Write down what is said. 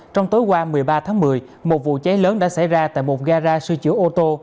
trong tối qua một mươi ba tháng một mươi một vụ cháy lớn đã xảy ra tại một gara sửa chữa ô tô